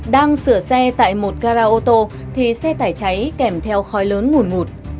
đang sửa xe tại một cao rao ô tô thì xe tải cháy kèm theo khói lớn ngủn ngụt